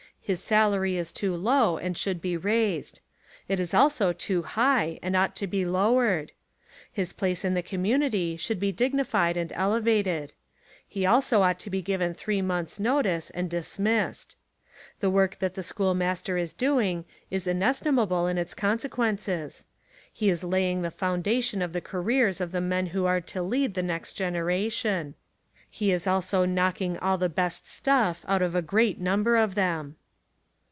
His salary is too low and should be raised. It is also too high and ought to be lowered. His place in the community should be dignified and elevated. He also ought to be given three months' notice and dis missed. The work that the schoolmaster is doing is inestimable in its consequences. He is laying the foundation of the careers of the men who are to lead the next generation. He is 1 66 The Lot of the Schoolmaster also knocking all the best stuff out of a great number of them.